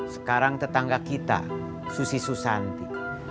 sekarang tetangga kita susi susanti